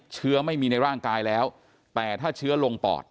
เชื้อไม่มีในร่างกายแล้วแต่ถ้าเชื้อลงปอด